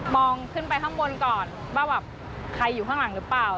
ขึ้นไปข้างบนก่อนว่าแบบใครอยู่ข้างหลังหรือเปล่า